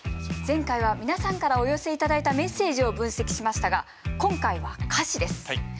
前回は皆さんからお寄せ頂いたメッセージを分析しましたが今回は歌詞です。